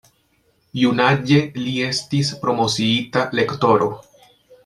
Junaĝe li estis promociita Lektoro.